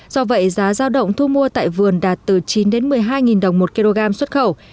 do vậy giá giao động thu mua tại vườn đạt từ chín một mươi hai đồng một kg xuất khẩu